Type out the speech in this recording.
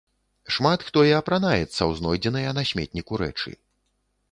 Шмат хто і апранаецца ў знойдзеныя на сметніку рэчы.